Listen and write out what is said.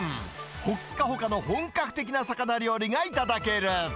ほっかほかの本格的な魚料理が頂ける。